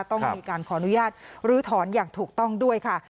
ต้องมีการขออนุญาตลื้อถอนอย่างถูกต้องด้วยค่ะ